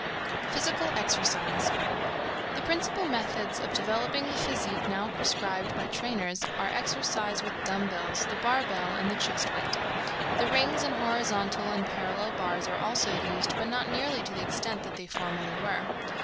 PHYSICAL EXERCISE. The principal methods of developing the physique now prescribed by trainers are exercise with dumbbells, the bar bell and the chest weight. The rings and horizontal and parallel bars are also used, but not nearly to the extent that they formerly were.